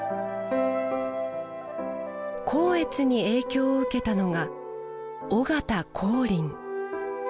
光悦に影響を受けたのが尾形光琳。